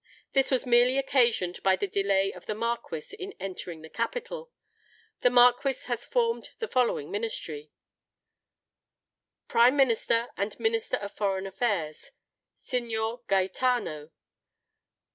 This was merely occasioned by the delay of the Marquis in entering the capital. The Marquis has formed the following Ministry_:— "Prime Minister, and Minister of Foreign Affairs, SIGNOR GAËTANO.